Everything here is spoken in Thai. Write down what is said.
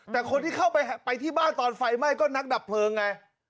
แต่คนที่เข้าไปที่บ้านตอนไฟไหม้ก็นักดับเพลิงไง